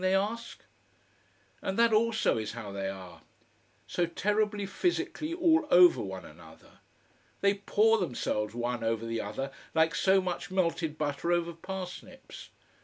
they ask. And that also is how they are. So terribly physically all over one another. They pour themselves one over the other like so much melted butter over parsnips.